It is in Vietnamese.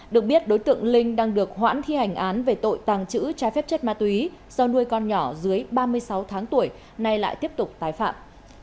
được biết đối tượng linh đang được hoãn thi hành án về tội tàng trữ trái phép chất ma túy do nuôi con nhỏ dưới ba mươi sáu tháng tuổi nay lại tiếp tục tái phạm